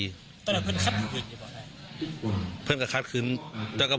สองนิ่งสองนัดครับ